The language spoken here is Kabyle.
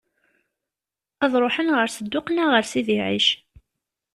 Ad ṛuḥen ɣer Sedduq neɣ ɣer Sidi Ɛic?